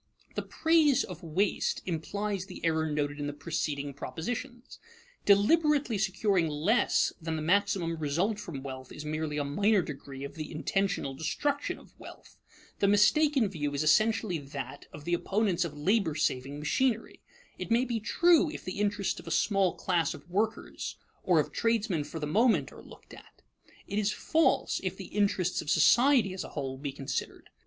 The praise of waste implies the error noted in the preceding propositions. Deliberately securing less than the maximum result from wealth is merely a minor degree of the intentional destruction of wealth. The mistaken view is essentially that of the opponents of labor saving machinery. It may be true, if the interests of a small class of workers or of tradesmen for the moment are looked at; it is false, if the interests of society as a whole be considered.